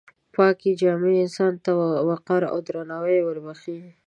پاکې جامې انسان ته وقار او درناوی وربښي.